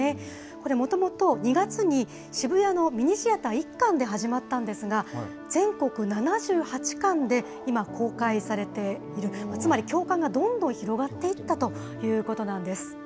これ、もともと２月に渋谷のミニシアター１館で始まったんですが、全国７８館で今、公開されている、つまり、共感がどんどん広がっていったということなんです。